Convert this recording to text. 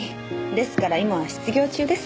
ですから今は失業中です。